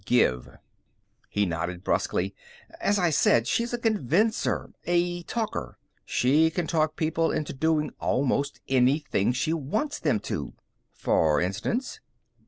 Give." He nodded brusquely. "As I said, she's a convincer. A talker. She can talk people into doing almost anything she wants them to." "For instance?"